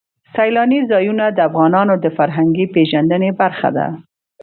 سیلانی ځایونه د افغانانو د فرهنګي پیژندنې برخه ده.